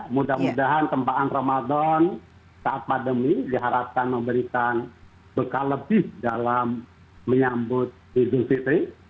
mudah mudahan kempaan ramadan saat pandemi diharapkan memberikan bekal lebih dalam menyambut idul fitri